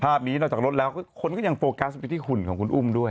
นี้นอกจากรถแล้วคนก็ยังโฟกัสไปที่หุ่นของคุณอุ้มด้วย